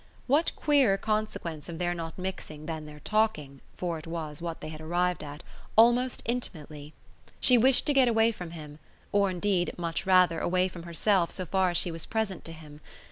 What queerer consequence of their not mixing than their talking for it was what they had arrived at almost intimately? She wished to get away from him, or indeed, much rather, away from herself so far as she was present to him.